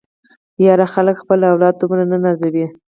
ياره خلک خپل اولاد دومره نه نازوي.